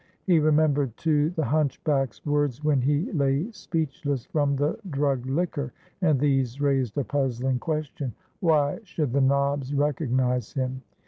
He remembered, too, the hunchback's words when he lay speechless from the drugged liquor, and these raised a puzzling question: Why should "the nobs" recognize him?